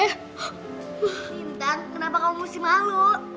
intan kenapa kamu mesti malu